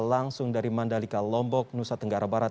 langsung dari mandalika lombok nusa tenggara barat